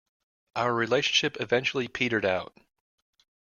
Our relationship eventually petered out.